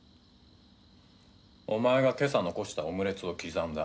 お前がけさ残したオムレツを刻んだ。